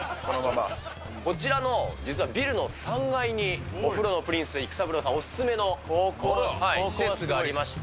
こちらの実はビルの３階に、お風呂のプリンス、育三郎さんお勧めの施設がありまして。